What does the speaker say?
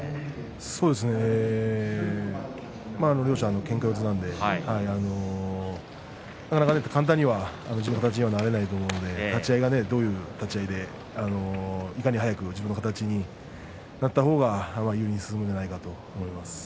そうですね。両者けんか四つなんでなかなか簡単には自分の形にはなれないと思うので立ち合いがどういう立ち合いでいかに早く自分の形になった方が有利に進むんじゃないかと思います。